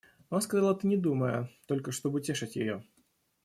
Он сказал это не думая, только чтоб утешить ее.